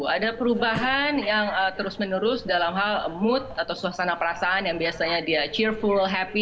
ada perubahan yang terus menerus dalam hal mood atau suasana perasaan yang biasanya dia cheerful happy